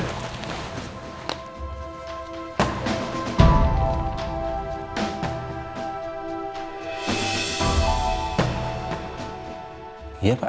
terima kasih pak